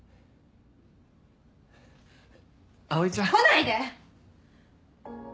葵ちゃん。来ないで！